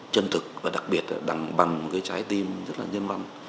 chân thực và đặc biệt là đằng bằng một cái trái tim rất là nhân văn